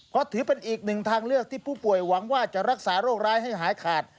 ก็ถือเป็นอีกหนึ่งทางเลือกที่ผู้ป่วยหวังว่าจะรักษาโรคร้ายให้หายขาด